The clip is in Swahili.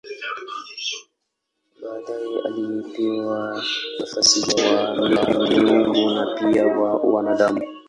Baadaye alipewa nafasi ya baba wa miungu na pia wa wanadamu.